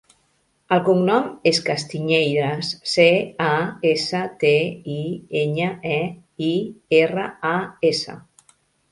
El cognom és Castiñeiras: ce, a, essa, te, i, enya, e, i, erra, a, essa.